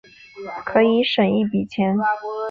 可以省一笔钱